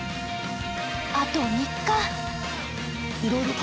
あと３日。